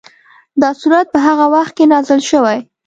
دا سورت په هغه وخت کې نازل شوی.